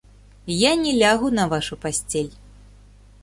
Я не лягу на вашу пасцель.